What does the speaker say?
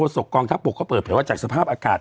ส่องทัพปกก็เปิดแผลว่าจากสภาพอากาศ